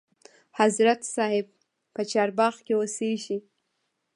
حضرت صاحب په چارباغ کې اوسیږي.